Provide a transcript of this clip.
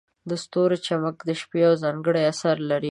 د ستورو چمک د شپې یو ځانګړی اثر لري.